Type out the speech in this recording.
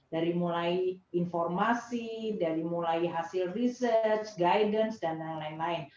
dari mulai informasi dari mulai hasil research guidance dan lain lain